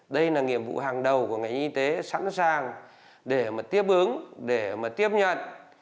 đây là nhiệm vụ hàng đầu của ngành y tế sẵn sàng để mà tiếp ứng để mà tiếp nhận